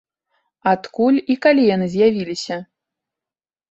Адкуль і калі яны з'явіліся?